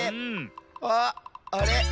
あっあれ？